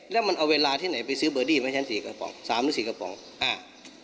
แล้วมันเอาเวลาที่ไหนไปซื้อเบอร์ดี้ไหมฉันสี่กระป๋องสามหรือสี่กระป๋องอ่า